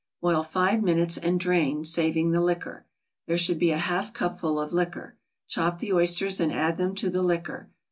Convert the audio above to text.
Boil five minutes and drain, saving the liquor. There should be a half cupful of liquor. Chop the oysters and add them to the liquor.